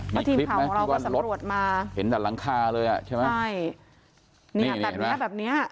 มีคลิปมั้ยที่วันรถเห็นจากหลังคาเลยอ่ะใช่ไหมใช่เนี่ยแบบเนี้ยแบบเนี้ย